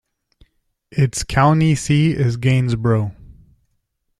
Its county seat is Gainesboro.